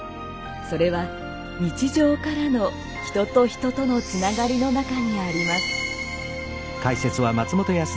それは日常からの人と人とのつながりの中にあります。